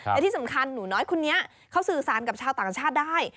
และที่สำคัญหนูน้อยคนนี้เขาสื่อสารกับชาวต่างชาติได้